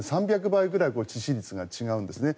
３００倍ぐらい致死率が違うんですね。